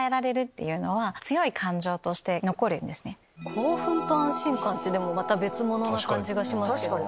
興奮と安心感って別物の感じがしますけど。